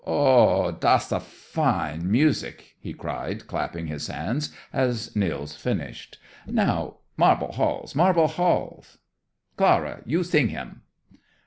"Oh h h, das a fine music," he cried, clapping his hands as Nils finished. "Now 'Marble Halls, Marble Halls'! Clara, you sing him."